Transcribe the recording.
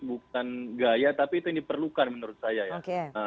bukan gaya tapi itu yang diperlukan menurut saya ya